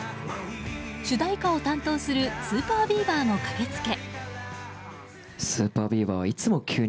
主題歌を担当するＳＵＰＥＲＢＥＡＶＥＲも駆けつけ。